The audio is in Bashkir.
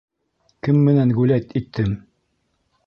Кем менән гуләйт иттем?